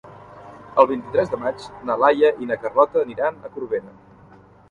El vint-i-tres de maig na Laia i na Carlota aniran a Corbera.